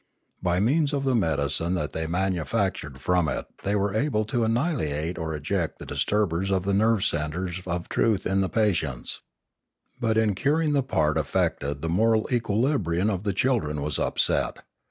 By means of the medicine that they manufac Ethics 597 tured from it they were able to annihilate or eject the disturbers of the nerve centre of truth in the patients. But in curing, the part affected the moral equilibrium of the children was upset.